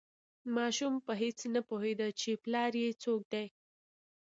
ماشوم په هیڅ نه پوهیده چې پلار یې څوک دی.